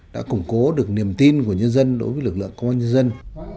đã củng cố được niềm tin của nhân dân đối với lực lượng công an nhân dân